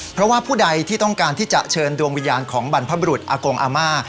เพราะว่าผู้ใดที่ต้องการที่จะเชิญดวงวิญญาณของบรรพบรุษอากงอาม่า